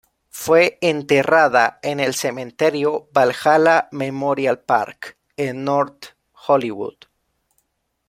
Fue enterrada en el Cementerio Valhalla Memorial Park, en North Hollywood.